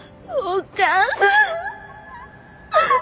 お母さん！